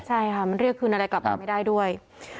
ใช่ค่ะมันเรียกคืนอะไรกลับมาไม่ได้ด้วย